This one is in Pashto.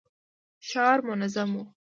ښار منظم و.